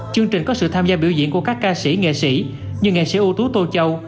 chương trình có sự tham gia biểu diễn của các ca sĩ nghệ sĩ như nghệ sĩ ưu tú tô châu